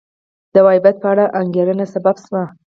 د وهابیت په اړه انګېرنه سبب شو